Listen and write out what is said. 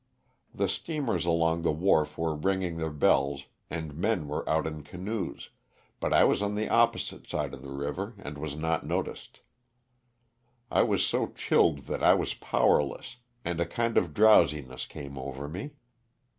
The steamers along the wharf were ringing their bells and men were out in canoes, but I was on the opposite side of the river and was not noticed. I was so chilled that I was powerless, and a kind of drowsiness came over me.